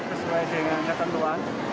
sesuai dengan ketentuan